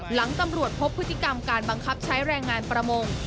หลังตำรวจพบพฤติกรรมการบังคับใช้แรงงานประมง